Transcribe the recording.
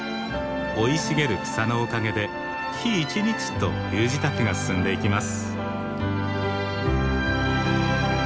生い茂る草のおかげで日一日と冬支度が進んでいきます。